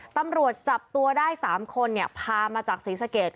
ตำรวจจับตัวได้๓คนพามาจากศรีสะเกด